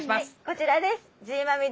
こちらです！